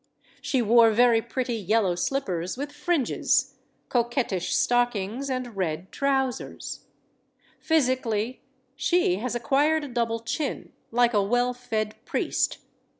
She wore very 158 STORIES OF THE SUPER WOMEN pretty yellow slippers with fringes, coquettish stockings, and red trousers. Physically, she has acquired a double chin, like a well fed priest.